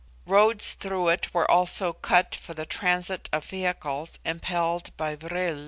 Roads through it were also cut for the transit of vehicles impelled by vril.